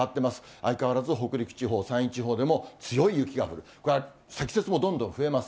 相変わらず北陸地方、山陰地方でも強い雪が積雪もどんどん増えます。